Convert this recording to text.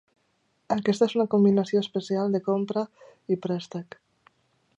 Aquesta és una combinació especial de compra i préstec.